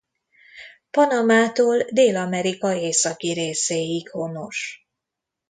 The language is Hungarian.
Panamától Dél-Amerika északi részéig honos.